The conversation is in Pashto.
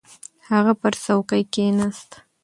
هغه پر څوکۍ کښېناست.